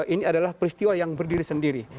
ini adalah peristiwa yang berdiri sendiri